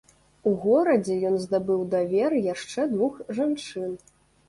У горадзе ён здабыў давер яшчэ двух жанчын.